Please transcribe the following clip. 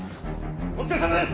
お疲れさまです！